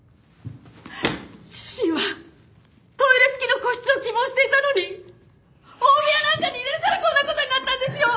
主人はトイレ付きの個室を希望していたのに大部屋なんかに入れるからこんな事になったんですよ！